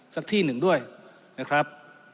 สักที่หนึ่งด้วยนะครับ